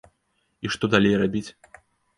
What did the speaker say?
І што далей рабіць?